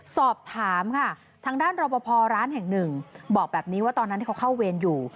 สอบถามค่ะทางด้านรอปภร้านแห่งหนึ่งบอกแบบนี้ว่าตอนนั้นที่เขาเข้าเวรอยู่